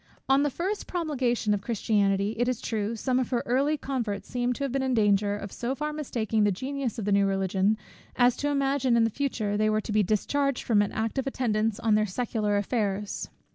On the first promulgation of Christianity, it is true, some of her early converts seem to have been in danger of so far mistaking the genius of the new Religion, as to imagine that in future they were to be discharged from an active attendance on their secular affairs.